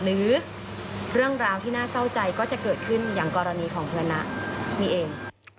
หรือเรื่องราวที่น่าเศร้าใจก็จะเกิดขึ้นอย่างกรณีของเธอนะนี่เอง